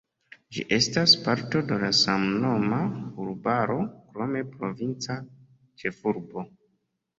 Ĝi estas parto de la samnoma urbaro, krome provinca ĉefurbo.